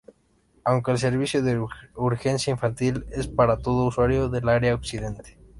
Aunque el servicio de Urgencia infantil es para todo usuario del área Occidente.